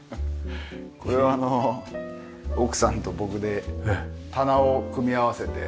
これはあの奥さんと僕で棚を組み合わせて作らせて頂いて。